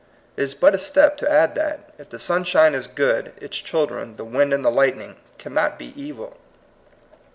It is but a step to add that, if the sunshine is good, its children, the wind and the light ning, cannot be evil.